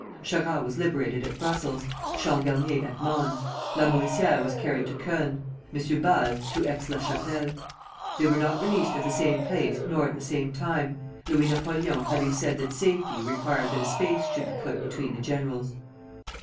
Charras was liberated at Brussels, Changarnier at Mons, Lamoricière was carried to Cologne, M. Baze to Aix la Chapelle. They were not released at the same place nor at the same time, Louis Napoleon having said that safety required that a space should be put between the generals.